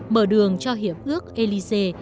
mở đường cho hiệp ước élysée